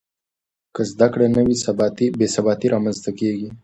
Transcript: که زده کړه نه وي، بې ثباتي رامنځته کېږي.